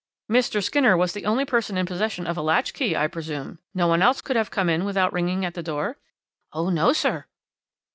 "'Mr. Skinner was the only person in possession of a latch key, I presume. No one else could have come in without ringing at the door?' "'Oh no, sir.'